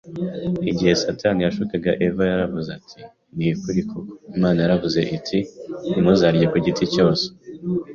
Igihe Satani yashukaga Eva, yaravuze ati : “Ni ukuri koko Imana yaravuze iti: ‘Ntimuzarye ku giti cyose